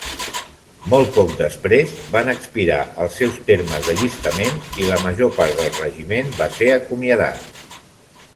Molt poc després, van expirar els seus termes d'allistament, i la major part del regiment va ser acomiadat.